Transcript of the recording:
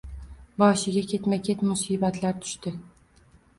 Boshiga ketma-ket musibatlar tushdi